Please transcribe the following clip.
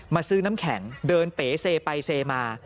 ซื้อน้ำแข็งเดินเป๋เซไปเซมา